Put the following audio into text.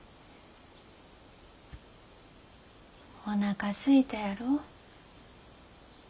おなかすいたやろ？